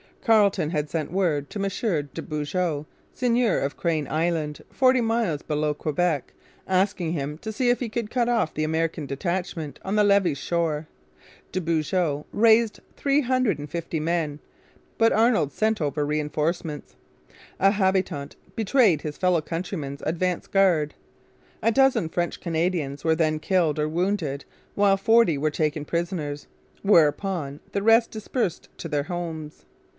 Carleton had sent word to M. de Beaujeu, seigneur of Crane Island, forty miles below Quebec, asking him to see if he could cut off the American detachment on the Levis shore. De Beaujeu raised three hundred and fifty men. But Arnold sent over reinforcements. A habitant betrayed his fellow countrymen's advance guard. A dozen French Canadians were then killed or wounded while forty were taken prisoners; whereupon the rest dispersed to their homes.